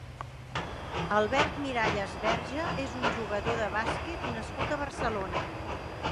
Albert Miralles Berge és un jugador de bàsquet nascut a Barcelona.